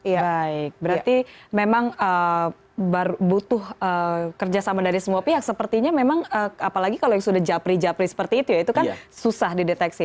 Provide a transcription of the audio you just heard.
ya baik berarti memang butuh kerjasama dari semua pihak sepertinya memang apalagi kalau yang sudah japri japri seperti itu ya itu kan susah dideteksi